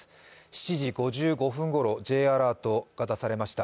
７時５５分頃Ｊアラートが出されました。